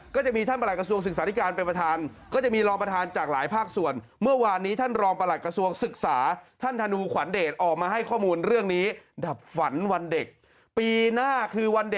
ก็จะมีท่านประหลักกระทรวงศึกษาธิการเป็นประธาน